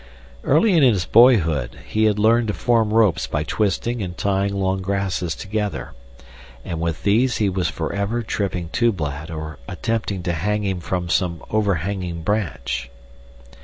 Early in his boyhood he had learned to form ropes by twisting and tying long grasses together, and with these he was forever tripping Tublat or attempting to hang him from some overhanging branch.